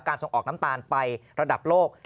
ส่งออกน้ำตาลไประดับโลก